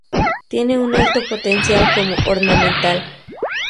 Tiene un alto potencial como ornamental.